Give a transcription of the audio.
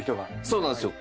そうなんですよ。